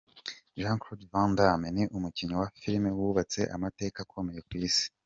Jean Claude Van Damme ni umukinnyi wa film wubatse amateka akomeye ku Isi.